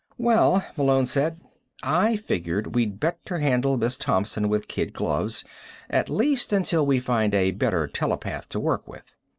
"Well," Malone said, "I figured we'd better handle Miss Thompson with kid gloves at least until we find a better telepath to work with."